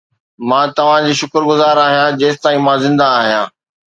مان توهان جي شڪرگذار آهيان جيستائين مان زنده آهيان